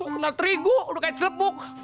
kena terigu udah kayak cilepuk